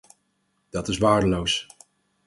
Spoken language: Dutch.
Dat is waardeloos.